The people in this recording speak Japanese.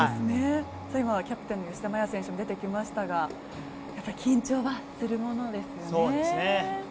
今、キャプテンの吉田麻也選手も出てきましたが、やっぱり緊張はするものですよね。